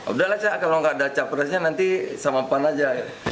udah lah cak kalau enggak ada capresnya nanti sama pan aja